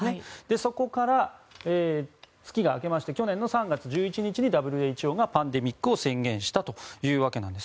そこから月が明けまして去年３月１１日にＷＨＯがパンデミックを宣言したというわけです。